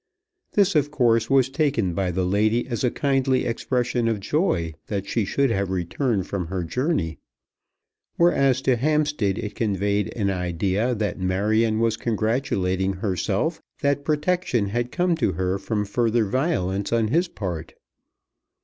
This of course was taken by the lady as a kindly expression of joy that she should have returned from her journey; whereas to Hampstead it conveyed an idea that Marion was congratulating herself that protection had come to her from further violence on his part.